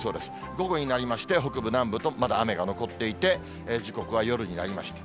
午後になりまして、北部、南部と、まだ雨が残っていて、時刻は夜になりました。